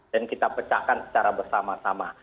dan kita pecahkan secara bersama sama